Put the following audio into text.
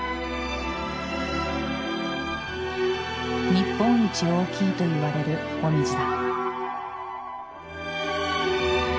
日本一大きいといわれるモミジだ。